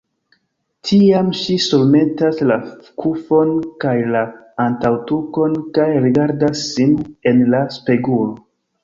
Tiam ŝi surmetas la kufon kaj la antaŭtukon kaj rigardas sin en la spegulo.